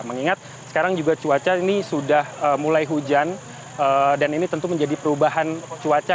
mengingat sekarang juga cuaca ini sudah mulai hujan dan ini tentu menjadi perubahan cuaca